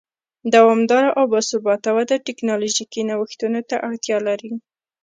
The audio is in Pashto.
دوامداره او با ثباته وده ټکنالوژیکي نوښتونو ته اړتیا لري.